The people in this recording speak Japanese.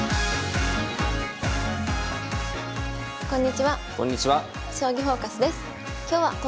こんにちは。